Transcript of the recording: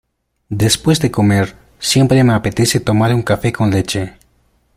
Después de comer siempre me apetece tomarme un café con leche.